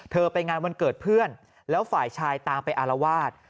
ไปงานวันเกิดเพื่อนแล้วฝ่ายชายตามไปอารวาส